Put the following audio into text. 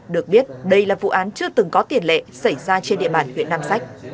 được biết đây là vụ án chưa từng có tiền lệ xảy ra trên địa bàn huyện nam sách